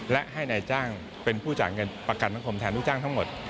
และให้นายจ้างเป็นผู้จ่ายเงินประกันสังคมแทนลูกจ้างทั้งหมด